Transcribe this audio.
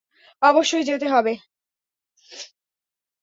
অবশ্যই যেতে হবে!